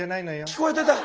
聞こえてた。